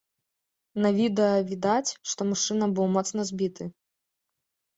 На відэа відаць, што мужчына быў моцна збіты.